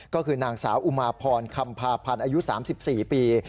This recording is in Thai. ก็คือนางสาวอุมาพรคำพาพันธ์อายุ๓๔ปี